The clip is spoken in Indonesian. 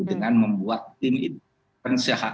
dengan membuat tim itu